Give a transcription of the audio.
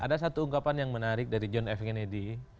ada satu ungkapan yang menarik dari john f kennedy